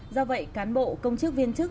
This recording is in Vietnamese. do vậy cán bộ công chức viên chức